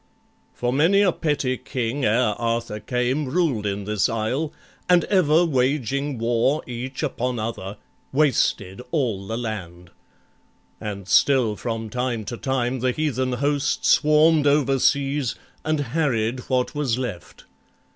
For many a petty king ere Arthur came Ruled in this isle, and ever waging war Each upon other, wasted all the land; And still from time to time the heathen host Swarm'd overseas, and harried what was left.